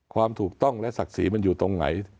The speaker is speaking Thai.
ความถูกต้องและศักดิ์ศรีมันอยู่ตรงไหน